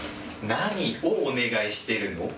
何をお願いしてるの？